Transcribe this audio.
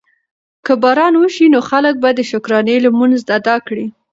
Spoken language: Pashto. که باران وشي نو خلک به د شکرانې لمونځ ادا کړي.